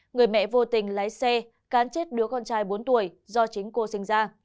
người mẹ vô tình lái xe cán chết đứa con trai bốn tuổi do chính cô sinh ra